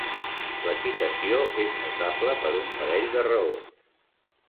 L'equitació és notable per un parell de raons.